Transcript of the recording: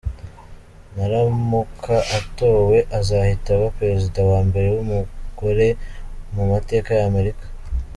Naramuka atowe azahita aba perezida wa mbere w’umugore mu mateka ya Amerika.